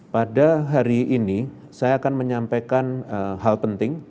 pada hari ini saya akan menyampaikan hal penting